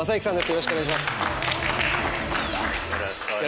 よろしくお願いします。